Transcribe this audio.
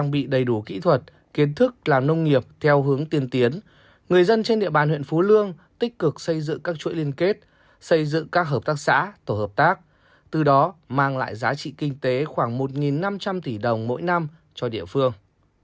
bị đầy đủ kỹ thuật kiến thức làm nông nghiệp theo hướng tiên tiến người dân trên địa bàn huyện phú lương tích cực xây dựng các chuỗi liên kết xây dựng các hợp tác xã tổ hợp tác từ đó mang lại giá trị kinh tế khoảng một năm trăm linh tỷ đồng mỗi năm cho địa phương